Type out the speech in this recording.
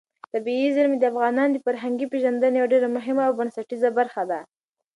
طبیعي زیرمې د افغانانو د فرهنګي پیژندنې یوه ډېره مهمه او بنسټیزه برخه ده.